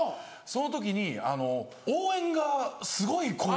その時に応援がすごい声。